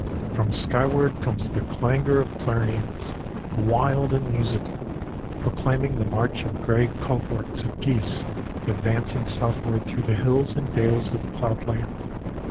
From skyward comes the clangor of clarions, wild and musical, proclaiming the march of gray cohorts of geese advancing southward through the hills and dales of cloudland.